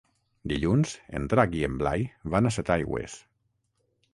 Dilluns en Drac i en Blai van a Setaigües.